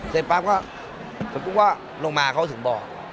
เสร็จปั๊บก็ถึงพบว่าลงมาเขาถึงบ่อ